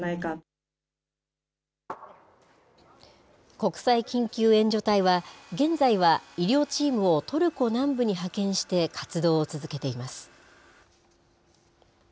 国際緊急援助隊は、現在は医療チームをトルコ南部に派遣して活動を続けています。